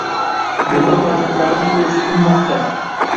Bunda farzandlarimiz o’sib-unmoqdalar.